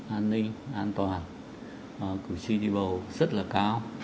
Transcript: an ninh an toàn cử tri di bầu rất là cao